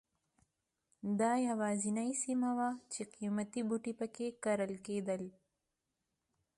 دا یوازینۍ سیمه وه چې قیمتي بوټي په کې کرل کېدل.